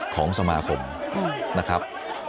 ของสมาคมนะครับ